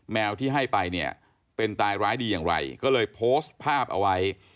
แมวที่ให้ไปเนี่ยเป็นตายร้ายดีอย่างไรก็เลยโพสต์ภาพเอาไว้